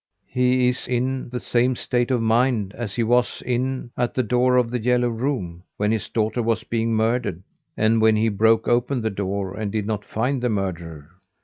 He is in the same state of mind as he was in at the door of The "Yellow Room" when his daughter was being murdered, and when he broke open the door and did not find the murderer.